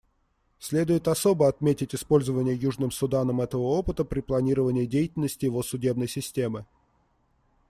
Следует особо отметить использование Южным Суданом этого опыта при планировании деятельности его судебной системы.